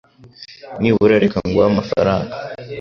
Nibura reka nguhe amafaranga.